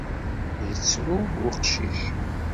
Yettru uqcic.